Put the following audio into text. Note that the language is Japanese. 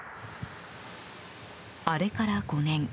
あれから５年。